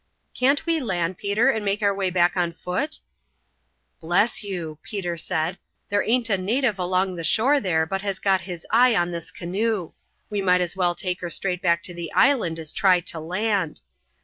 "Can't we land, Peter, and make our way back on foot?" "Bless you," Peter said, "there aint a native along the shore there but has got his eye on this canoe. We might as well take her straight back to the island as try to land.